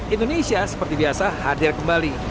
indonesia seperti biasa hadir kembali